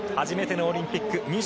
初めてのオリンピック。